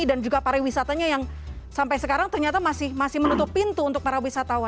dan juga para wisatanya yang sampai sekarang ternyata masih menutup pintu untuk para wisatanya